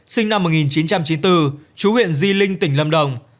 sinh năm một nghìn chín trăm chín mươi bốn chú huyện di linh tỉnh lâm đồng